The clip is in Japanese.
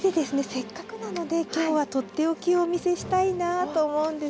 せっかくなので今日はとっておきをお見せしたいなと思うんです。